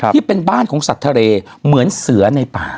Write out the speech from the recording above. ที่เป็นบ้านของสัตว์ทะเลเหมือนเสือในป่า